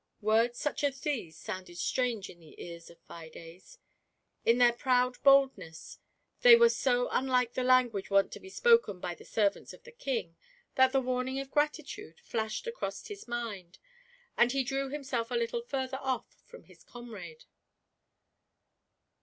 Words such as these soimded strange in the ears of Fides; in their proud boldness they were so unlike the language wont to be spoken by the sei'vants of the King, that the warning of Gratitude flashed across his mind, and he drew himself a little further off* from his comrade.